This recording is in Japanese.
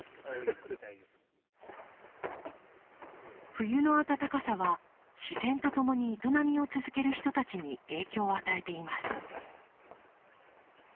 冬の暖かさは自然と共に営みを続ける人たちに影響を与えています。